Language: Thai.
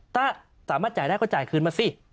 ถ้าสามารถจ่ายได้ก็จ่ายคืนมาสิ